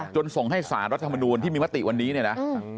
ส่งให้สารรัฐมนูลที่มีมติวันนี้เนี่ยนะ